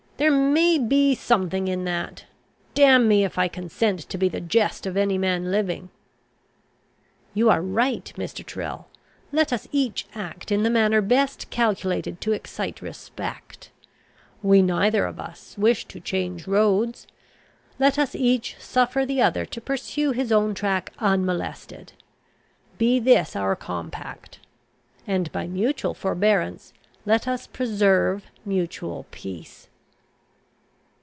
there may be something in that. Damn me, if I consent to be the jest of any man living." "You are right, Mr. Tyrrel. Let us each act in the manner best calculated to excite respect. We neither of us wish to change roads; let us each suffer the other to pursue his own track unmolested. Be this our compact; and by mutual forbearance let us preserve mutual peace."